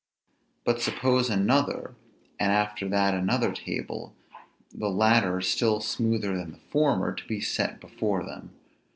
But suppose another, and after that another table, the latter still smoother than the former, to be set before them.